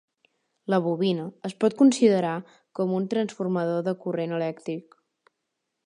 La bobina es pot considerar com un transformador de corrent elèctric.